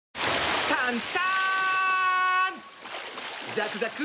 ザクザク！